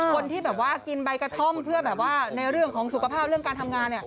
คนที่แบบว่ากินใบกระท่อมเพื่อแบบว่าในเรื่องของสุขภาพเรื่องการทำงาน